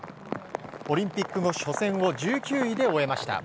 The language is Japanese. オリンピック後初戦を１９位で終えました。